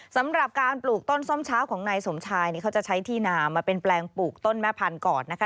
สำหรับการปลูกต้นส้มเช้าของนายสมชายนี่เขาจะใช้ที่นามาเป็นแปลงปลูกต้นแม่พันธุ์ก่อนนะคะ